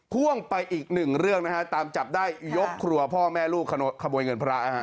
พ่วงไปอีกหนึ่งเรื่องนะฮะตามจับได้ยกครัวพ่อแม่ลูกขโมยเงินพระ